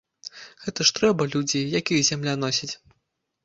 Гэта ж трэба, людзі, як іх зямля носіць?